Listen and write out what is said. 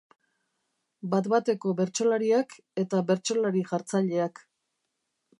Bat-bateko bertsolariak eta bertsolari jartzaileak.